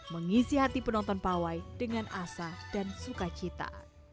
mengisi hati penonton pawai dengan asa dan sukacita